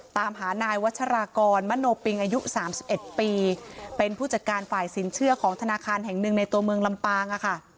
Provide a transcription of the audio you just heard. ตามหานายวัชรากรมโนปิงอายุ๓๑ปีเป็นผู้จัดการฝ่ายสินเชื่อของธนาคารแห่งหนึ่งในตัวเมืองลำปางค่ะ